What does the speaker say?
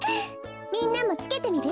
みんなもつけてみる？